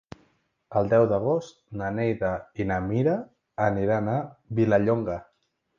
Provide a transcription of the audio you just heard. El deu d'agost na Neida i na Mira aniran a Vilallonga.